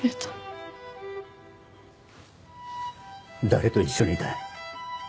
誰と一緒にいた？